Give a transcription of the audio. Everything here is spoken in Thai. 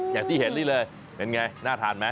อย่างที่เห็นนี่เลยเป็นไงน่าทานไหม